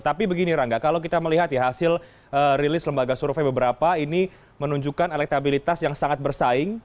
tapi begini rangga kalau kita melihat ya hasil rilis lembaga survei beberapa ini menunjukkan elektabilitas yang sangat bersaing